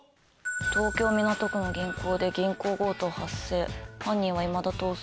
「東京・港区の銀行で銀行強盗発生犯人は未だ逃走中」。